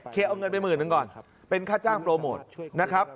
เอาเงินไปหมื่นหนึ่งก่อนเป็นค่าจ้างโปรโมทนะครับ